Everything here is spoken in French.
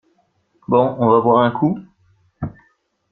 Bon on va boire un coup?